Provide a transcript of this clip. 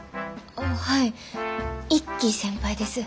はい１期先輩です。